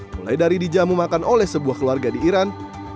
mulai dari dijamu makan oleh sebuah keluarga di iran